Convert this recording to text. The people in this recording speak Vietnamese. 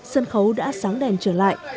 sân khấu đã sáng đèn trở lại